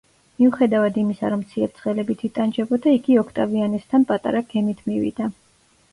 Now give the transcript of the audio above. მიუხედავად იმისა, რომ ციებ-ცხელებით იტანჯებოდა, იგი ოქტავიანესთან პატარა გემით მივიდა.